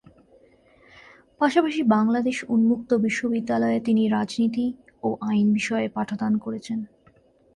পাশাপাশি বাংলাদেশ উন্মুক্ত বিশ্ববিদ্যালয়ে তিনি রাজনীতি ও আইন বিষয়ে পাঠদান করেছেন।